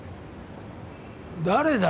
誰だ？